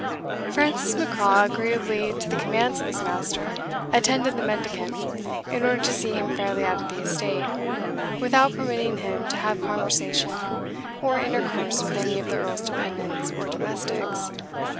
Francis Macraw, agreeably to the commands of his master, attended the mendicant, in order to see him fairly out of the estate, without permitting him to have conversation, or intercourse, with any of the Earl's dependents or domestics.